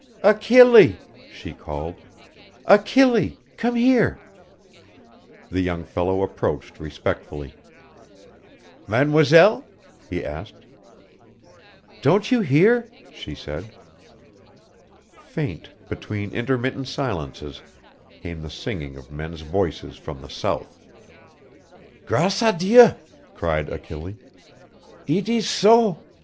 "Achille!" she called, "Achille! Come here!" The young fellow approached respectfully. "Mademoiselle?" he asked. "Don't you hear?" she said. Faint, between intermittent silences, came the singing of men's voices from the south. "Grace à Dieu!" cried Achille. "Eet is so.